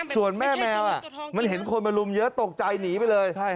ส่วนแม่แมวมันเห็นคนมาลุมเยอะตกใจหนีไปเลย